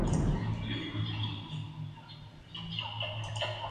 Parece lógico que lo llamara como sus antepasados.